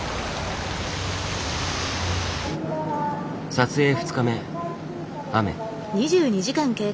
撮影２日目雨。